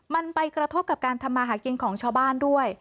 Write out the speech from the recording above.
มันไปกระทบกับการทำมาหากินของชาวบ้านด้วย